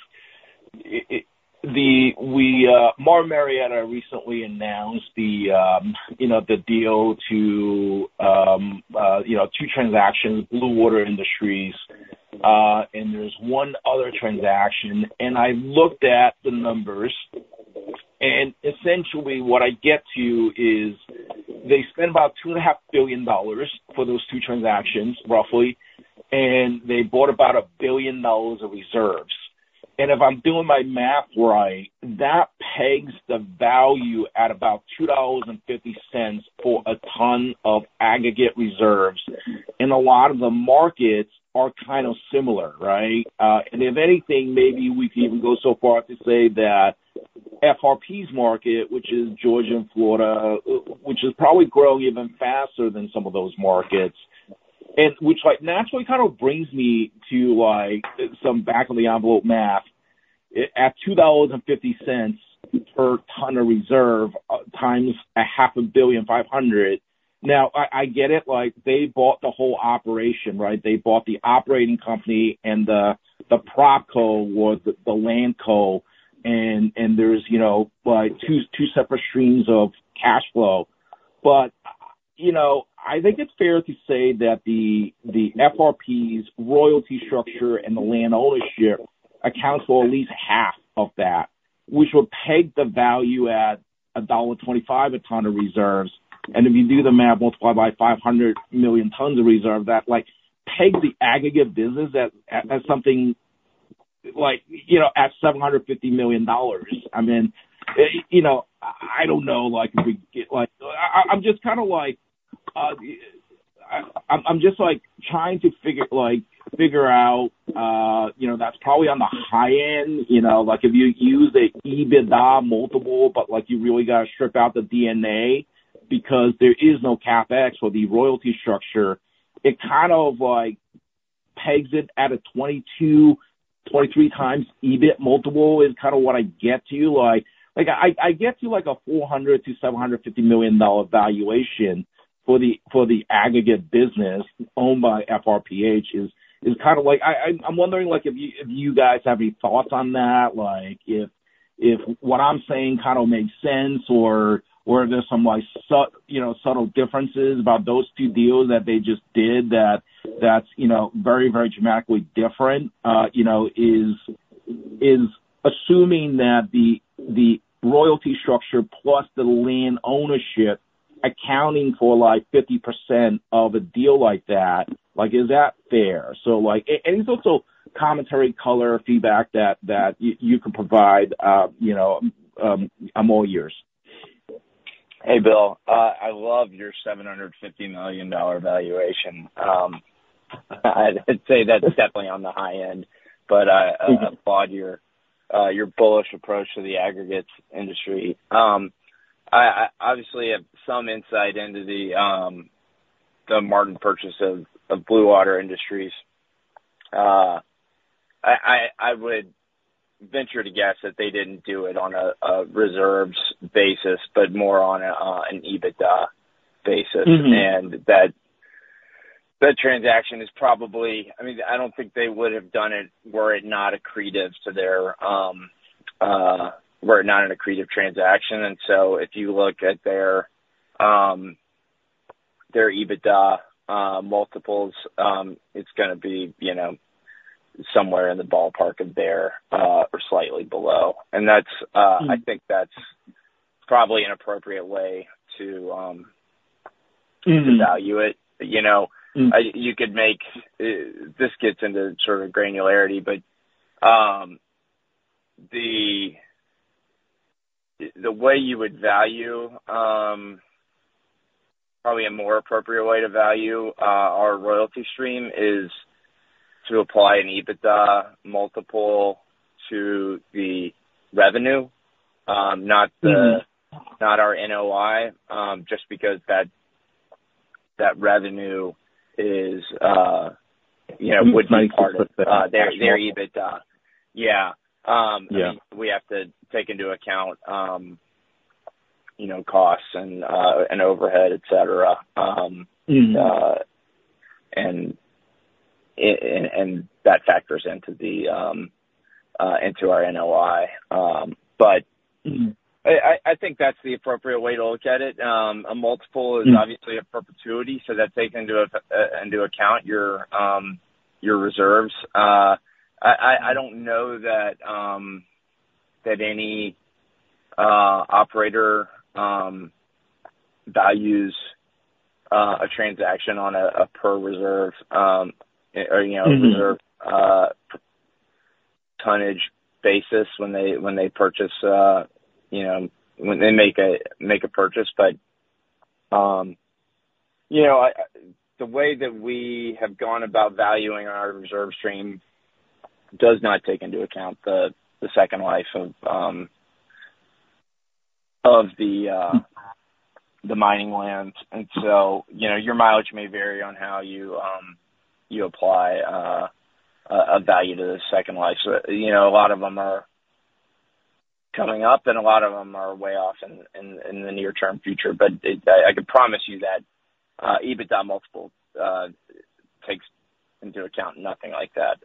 Martin Marietta recently announced the deal to two transactions, Blue Water Industries, and there's one other transaction. I looked at the numbers, and essentially, what I get to is they spent about $2.5 billion for those two transactions, roughly, and they bought about $1 billion of reserves. And if I'm doing my math right, that pegs the value at about $2.50 for a ton of aggregate reserves. And a lot of the markets are kind of similar, right? And if anything, maybe we can even go so far to say that FRP's market, which is Georgia and Florida, which is probably growing even faster than some of those markets, which naturally kind of brings me to some back-of-the-envelope math. At $2.50 per ton of reserves times 500 million now, I get it. They bought the whole operation, right? They bought the operating company, and the PropCo was the LandCo, and there's two separate streams of cash flow. But I think it's fair to say that the FRP's royalty structure and the land ownership accounts for at least half of that, which would peg the value at $1.25 a ton of reserves. And if you do the math, multiply by 500 million tons of reserve, that pegs the aggregate business at something at $750 million. I mean, I don't know if we get I'm just kind of like I'm just trying to figure out that's probably on the high end. If you use the EBITDA multiple, but you really got to strip out the D&A because there is no CapEx or the royalty structure, it kind of pegs it at a 22-23x EBIT multiple is kind of what I get to. I get to a $400 million-$750 million valuation for the aggregate business owned by FRPH. Is kind of like, I'm wondering if you guys have any thoughts on that, if what I'm saying kind of makes sense, or are there some subtle differences about those two deals that they just did that's very, very dramatically different. Is assuming that the royalty structure plus the land ownership accounting for 50% of a deal like that, is that fair? So any sort of commentary, color, feedback that you can provide, I'm all yours. Hey, Bill. I love your $750 million valuation. I'd say that's definitely on the high end, but I applaud your bullish approach to the aggregate industry. Obviously, I have some insight into the Martin purchase of Blue Water Industries. I would venture to guess that they didn't do it on a reserves basis, but more on an EBITDA basis. And that transaction is probably, I mean, I don't think they would have done it were it not accretive to their were it not an accretive transaction. And so if you look at their EBITDA multiples, it's going to be somewhere in the ballpark of there or slightly below. And I think that's probably an appropriate way to value it. You could make this get into sort of granularity, but the way you would value probably a more appropriate way to value our royalty stream is to apply an EBITDA multiple to the revenue, not our NOI, just because that revenue would be part of their EBITDA. Yeah. We have to take into account costs and overhead, etc., and that factors into our NOI. But I think that's the appropriate way to look at it. A multiple is obviously a perpetuity, so that takes into account your reserves. I don't know that any operator values a transaction on a per-reserve or reserve-tonnage basis when they purchase when they make a purchase. But the way that we have gone about valuing our reserve stream does not take into account the second life of the mining land. Your mileage may vary on how you apply a value to the second life. A lot of them are coming up, and a lot of them are way off in the near-term future. I could promise you that EBITDA multiple takes into account nothing like that.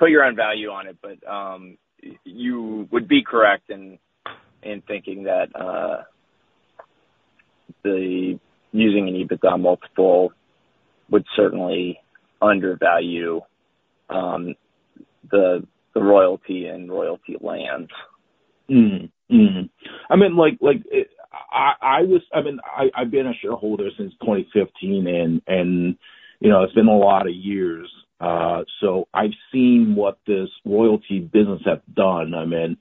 Put your own value on it, but you would be correct in thinking that using an EBITDA multiple would certainly undervalue the royalty and royalty lands. I mean, I've been a shareholder since 2015, and it's been a lot of years. So I've seen what this royalty business has done. I mean,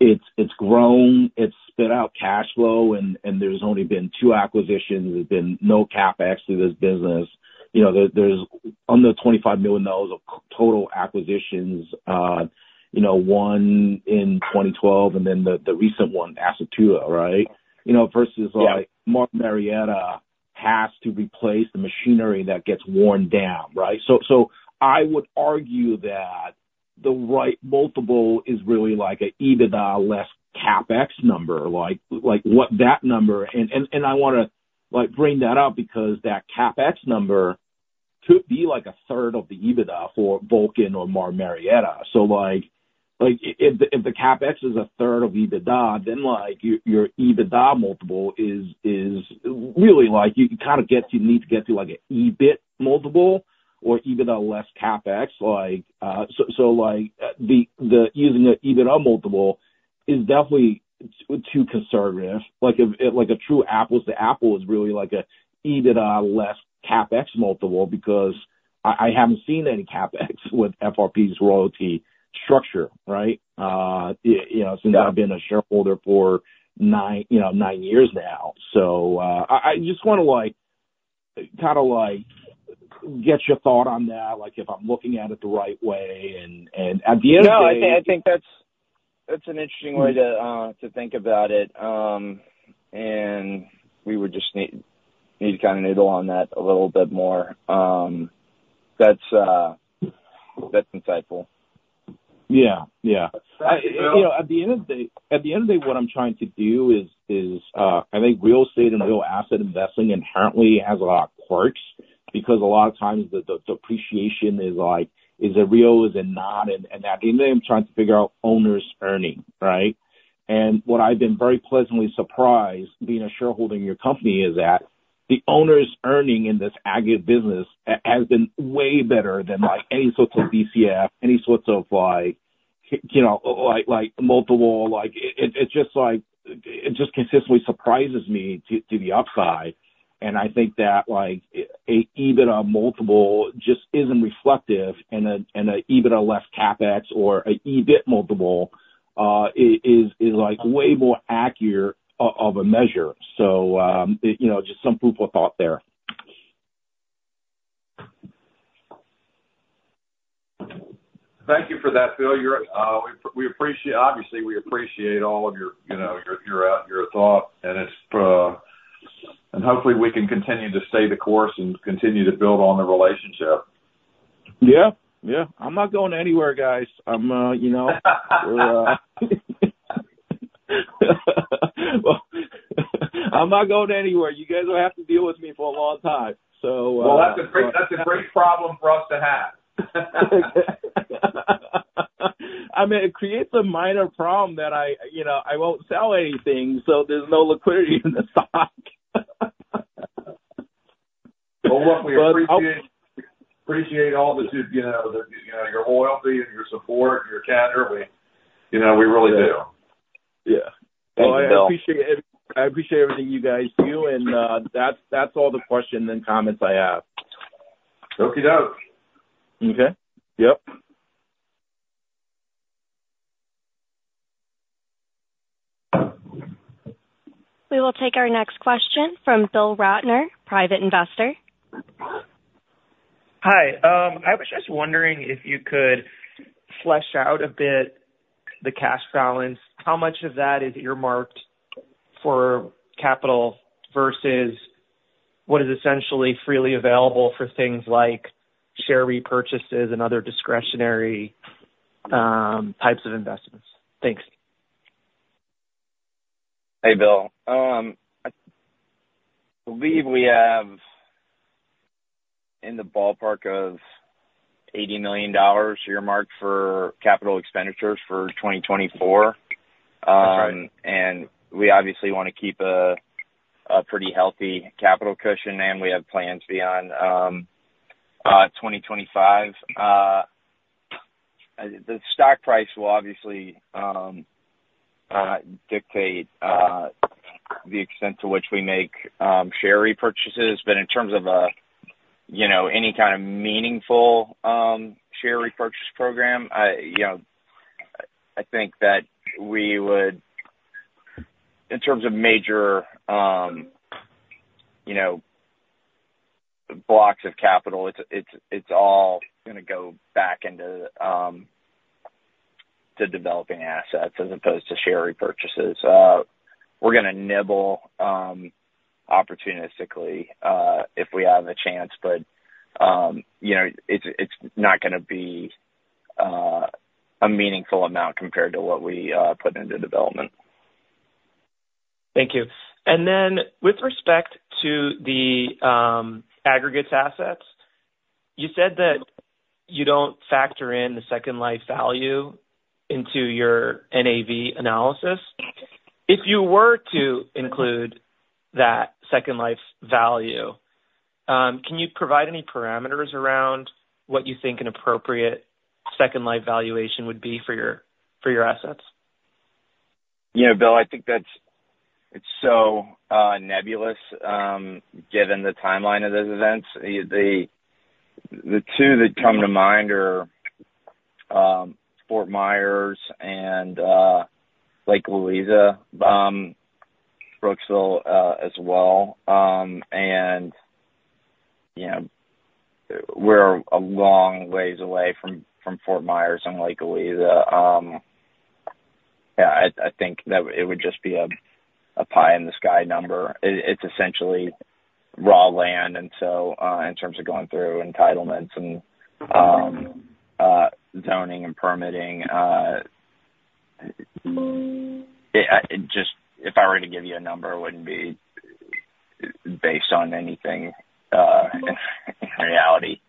it's grown. It's spit out cash flow, and there's only been 2 acquisitions. There's been no CapEx to this business. There's under $25 million of total acquisitions, 1 in 2012 and then the recent one, Astatula, right, versus Martin Marietta has to replace the machinery that gets worn down, right? So I would argue that the right multiple is really an EBITDA-less CapEx number, what that number and I want to bring that up because that CapEx number could be a third of the EBITDA for Vulcan or Martin Marietta. So if the CapEx is a third of EBITDA, then your EBITDA multiple is really you kind of get to you need to get to an EBIT multiple or EBITDA-less CapEx. So using an EBITDA multiple is definitely too conservative. A true apples-to-apples is really an EBITDA-less CapEx multiple because I haven't seen any CapEx with FRP's royalty structure, right, since I've been a shareholder for nine years now. So I just want to kind of get your thought on that, if I'm looking at it the right way. And at the end of the day. No, I think that's an interesting way to think about it. We would just need to kind of nibble on that a little bit more. That's insightful. Yeah. Yeah. At the end of the day, what I'm trying to do is I think real estate and real asset investing inherently has a lot of quirks because a lot of times, the appreciation is a real is a not. And at the end of the day, I'm trying to figure out owner's earning, right? And what I've been very pleasantly surprised, being a shareholder in your company, is that the owner's earning in this aggregate business has been way better than any sort of DCF, any sort of multiple. It's just like it just consistently surprises me to the upside. And I think that an EBITDA multiple just isn't reflective, and an EBITDA-less CapEx or an EBIT multiple is way more accurate of a measure. So just some food for thought there. Thank you for that, Bill. Obviously, we appreciate all of your thought, and hopefully, we can continue to stay the course and continue to build on the relationship. Yeah. Yeah. I'm not going anywhere, guys. I'm not going anywhere. You guys will have to deal with me for a long time, so. Well, that's a great problem for us to have. I mean, it creates a minor problem that I won't sell anything, so there's no liquidity in the stock. Well, look, we appreciate all that your loyalty and your support and your candor. We really do. Yeah. Thank you, Bill. I appreciate everything you guys do, and that's all the questions and comments I have. Okey-doke. Okay. Yep. We will take our next question from Bill Ratner, private investor. Hi. I was just wondering if you could flesh out a bit the cash balance. How much of that is earmarked for capital versus what is essentially freely available for things like share repurchases and other discretionary types of investments? Thanks. Hey, Bill. I believe we have in the ballpark of $80 million earmarked for capital expenditures for 2024. We obviously want to keep a pretty healthy capital cushion, and we have plans beyond 2025. The stock price will obviously dictate the extent to which we make share repurchases. But in terms of any kind of meaningful share repurchase program, I think that we would in terms of major blocks of capital, it's all going to go back into developing assets as opposed to share repurchases. We're going to nibble opportunistically if we have a chance, but it's not going to be a meaningful amount compared to what we put into development. Thank you. And then with respect to the aggregate assets, you said that you don't factor in the second life value into your NAV analysis. If you were to include that second life value, can you provide any parameters around what you think an appropriate second life valuation would be for your assets? Yeah, Bill, I think it's so nebulous given the timeline of those events. The two that come to mind are Fort Myers and Lake Eliza, Brooksville as well. We're a long ways away from Fort Myers and Lake Eliza. Yeah, I think that it would just be a pie-in-the-sky number. It's essentially raw land. And so in terms of going through entitlements and zoning and permitting, just if I were to give you a number, it wouldn't be based on anything in reality.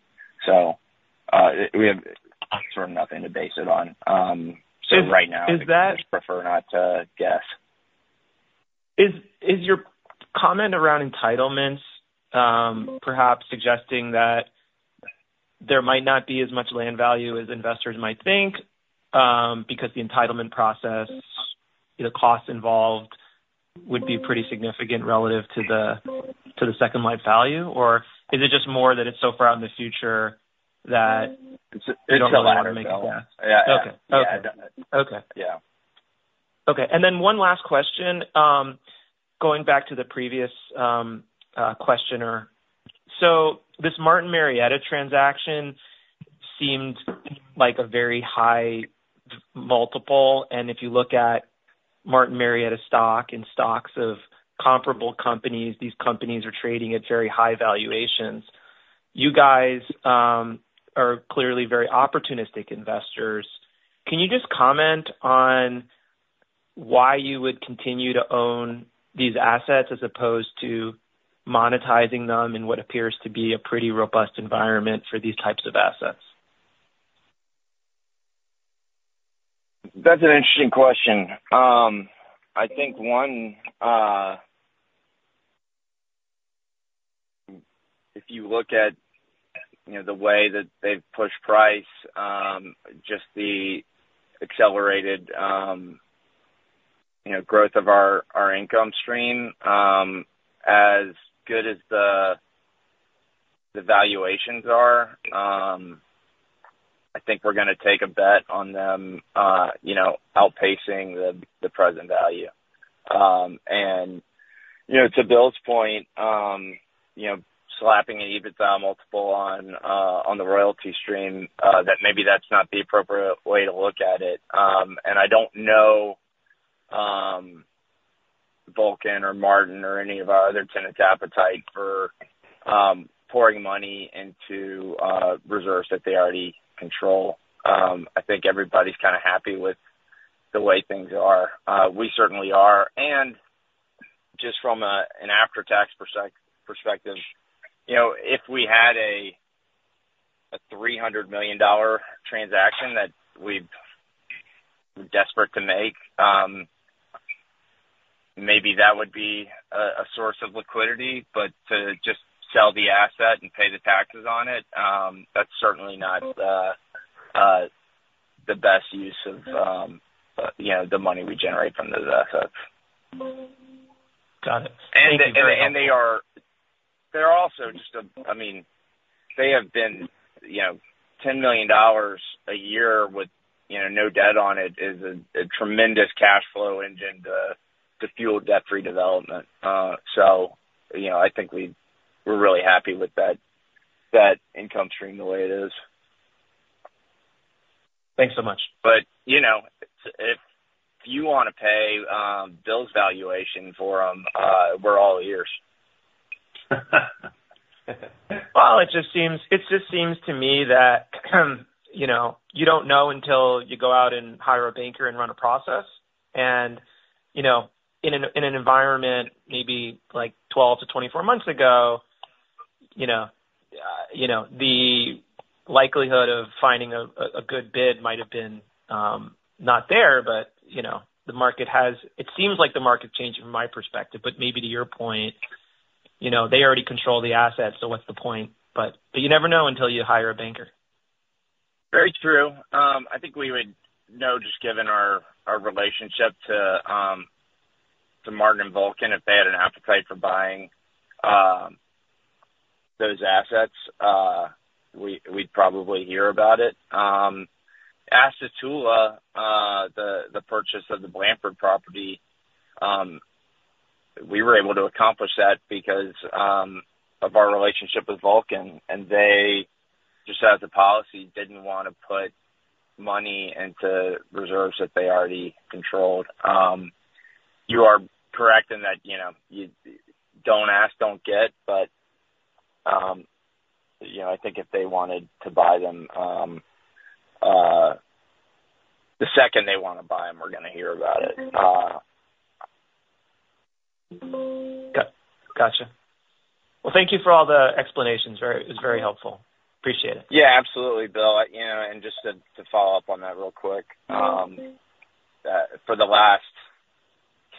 So we have sort of nothing to base it on. So right now, I just prefer not to guess. Is your comment around entitlements perhaps suggesting that there might not be as much land value as investors might think because the entitlement process, the costs involved, would be pretty significant relative to the second life value? Or is it just more that it's so far out in the future that it doesn't really make sense? It's a lot of bills. Yeah. Yeah. Yeah. Yeah. Yeah. Okay. And then one last question, going back to the previous questioner. So this Martin Marietta transaction seemed like a very high multiple. And if you look at Martin Marietta stock and stocks of comparable companies, these companies are trading at very high valuations. You guys are clearly very opportunistic investors. Can you just comment on why you would continue to own these assets as opposed to monetizing them in what appears to be a pretty robust environment for these types of assets? That's an interesting question. I think, one, if you look at the way that they've pushed price, just the accelerated growth of our income stream, as good as the valuations are, I think we're going to take a bet on them outpacing the present value. And to Bill's point, slapping an EBITDA multiple on the royalty stream, maybe that's not the appropriate way to look at it. And I don't know Vulcan or Martin or any of our others tend to have an appetite for pouring money into reserves that they already control. I think everybody's kind of happy with the way things are. We certainly are. And just from an after-tax perspective, if we had a $300 million transaction that we're desperate to make, maybe that would be a source of liquidity. But to just sell the asset and pay the taxes on it, that's certainly not the best use of the money we generate from those assets. Got it. Thank you for that. They're also just a, I mean, they have been $10 million a year with no debt on it. It is a tremendous cash flow engine to fuel debt-free development. So I think we're really happy with that income stream the way it is. Thanks so much. But if you want to pay Bill's valuation for them, we're all ears. Well, it just seems to me that you don't know until you go out and hire a banker and run a process. And in an environment maybe 12-24 months ago, the likelihood of finding a good bid might have been not there. But the market has it seems like the market changed from my perspective. But maybe to your point, they already control the assets, so what's the point? But you never know until you hire a banker. Very true. I think we would know just given our relationship to Martin and Vulcan, if they had an appetite for buying those assets, we'd probably hear about it. Astatula, the purchase of the Blandford property, we were able to accomplish that because of our relationship with Vulcan. And they, just as a policy, didn't want to put money into reserves that they already controlled. You are correct in that you don't ask, don't get. But I think if they wanted to buy them, the second they want to buy them, we're going to hear about it. Gotcha. Well, thank you for all the explanations. It was very helpful. Appreciate it. Yeah, absolutely, Bill. Just to follow up on that real quick, for the last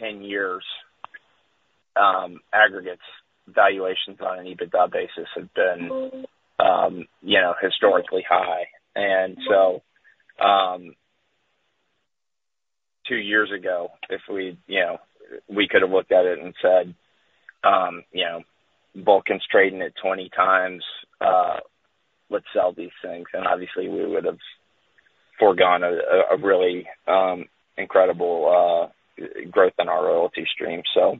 10 years, aggregate valuations on an EBITDA basis have been historically high. So two years ago, if we could have looked at it and said, "Vulcan's trading at 20x. Let's sell these things," then obviously, we would have foregone a really incredible growth in our royalty stream. So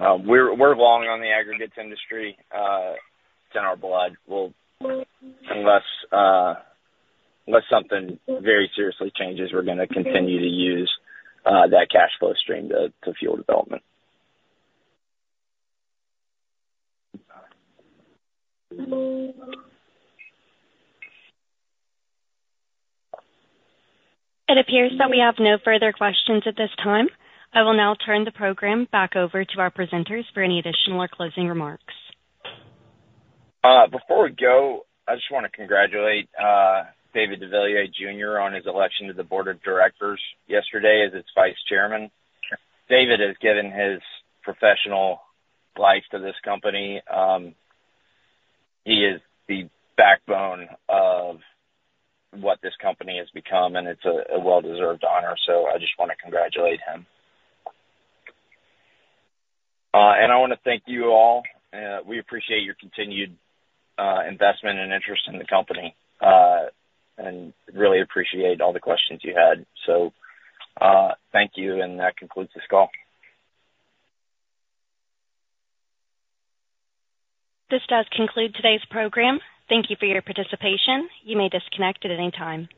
we're long on the aggregates industry. It's in our blood. Unless something very seriously changes, we're going to continue to use that cash flow stream to fuel development. It appears that we have no further questions at this time. I will now turn the program back over to our presenters for any additional or closing remarks. Before we go, I just want to congratulate David deVilliers, Jr., on his election to the board of directors yesterday as its Vice Chairman. David has given his professional life to this company. He is the backbone of what this company has become, and it's a well-deserved honor. So I just want to congratulate him. And I want to thank you all. We appreciate your continued investment and interest in the company and really appreciate all the questions you had. So thank you, and that concludes this call. This does conclude today's program. Thank you for your participation. You may disconnect at any time.